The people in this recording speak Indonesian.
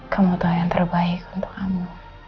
kamu tua yang terbaik untuk kamu